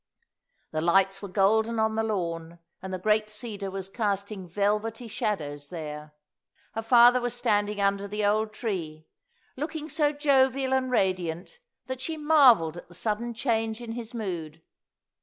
The lights were golden on the lawn, and the great cedar was casting velvety shadows there. Her father was standing under the old tree, looking so jovial and radiant that she marvelled at the sudden change in his mood.